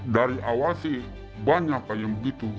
dari awal sih banyak yang begitu